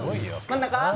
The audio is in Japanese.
真ん中！